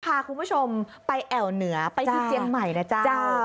พาคุณผู้ชมไปแอวเหนือไปที่เจียงใหม่นะจ๊ะ